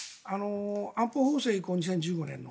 安保法制、１５年の。